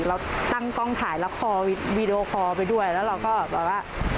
เราตั้งกล้องถ่ายละครวีดีโอคอลไปด้วยแล้วเราก็แบบว่า